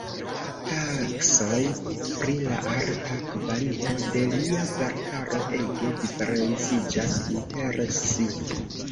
Taksoj pri la arta kvalito de lia verkaro ege diferenciĝas inter si.